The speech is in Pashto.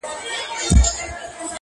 ستونزې ډېرېده اكثر.